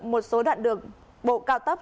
một số đoạn đường bộ cao tốc